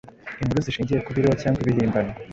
inkuru zishingiye ku biriho cyangwa ibihimbano,